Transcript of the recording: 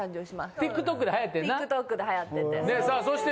ＴｉｋＴｏｋで流行ってて。